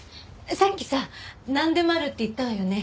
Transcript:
さっきさなんでもあるって言ったわよね？